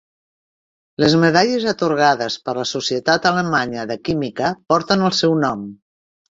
Les medalles atorgades per la Societat Alemanya de Química porten el seu nom.